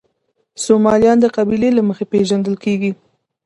سومالیان د قبیلې له مخې پېژندل کېږي.